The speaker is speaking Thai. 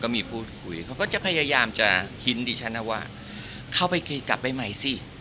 มีพูดคุยเขาก็จะพยายามจะฮินดิฉันนะว่าเข้าไปกลับไปใหม่สิ